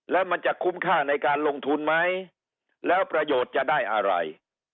แล้วมันจะคุ้มค่าในการลงทุนไหมแล้วประโยชน์จะได้อะไร